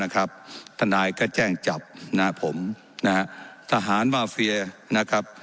นะครับท่านายก็แจ้งจับนะฮะผมนะฮะทหารมาเฟียร์นะครับ